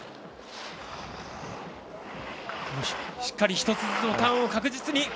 しっかり１つずつターンを確実に。